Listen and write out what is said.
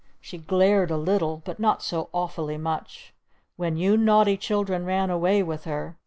She glared a little. But not so awfully much. "When you naughty children ran away with her?"